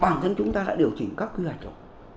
bản thân chúng ta đã điều chỉnh các quy hoạch chuẩn